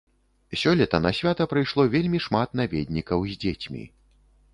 Сёлета на свята прыйшло вельмі шмат наведнікаў з дзецьмі.